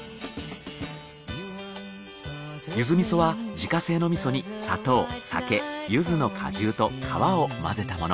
柚子味噌は自家製の味噌に砂糖酒柚子の果汁と皮を混ぜたもの。